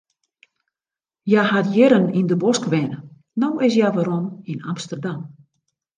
Hja hat jierren yn de bosk wenne, no is hja werom yn Amsterdam.